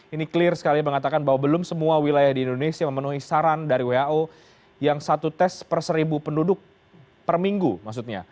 ini clear sekali mengatakan bahwa belum semua wilayah di indonesia memenuhi saran dari who yang satu tes per seribu penduduk per minggu maksudnya